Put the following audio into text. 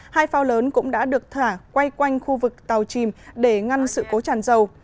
hai phao lớn cũng đã được thả quay quanh khu vực tàu chìm để ngăn sự cố tràn dầu